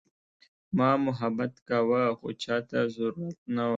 ما محبت کاوه خو چاته ضرورت نه وه.